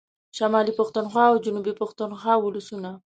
شمالي پښتونخوا او جنوبي پښتونخوا ولسونو